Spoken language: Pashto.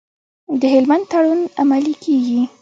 د هلمند تړون عملي کیږي؟